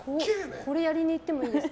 これやりにいってもいいですか。